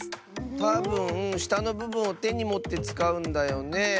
たぶんしたのぶぶんをてにもってつかうんだよね？